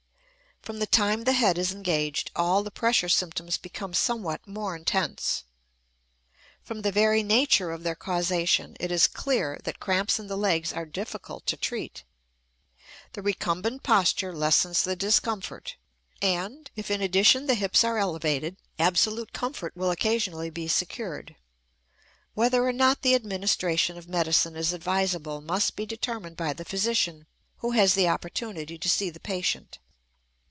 From the time the head is engaged all the pressure symptoms become somewhat more intense. From the very nature of their causation, it is clear that cramps in the legs are difficult to treat. The recumbent posture lessens the discomfort, and, if in addition the hips are elevated, absolute comfort will occasionally be secured. Whether or not the administration of medicine is advisable must be determined by the physician who has the opportunity to see the patient.